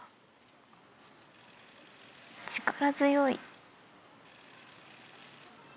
力強い。